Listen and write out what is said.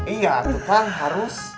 iya tuh kan harus